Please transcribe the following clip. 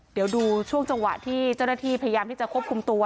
เดี๋ยวดูช่วงจังหวะที่เจ้าหน้าที่พยายามที่จะควบคุมตัว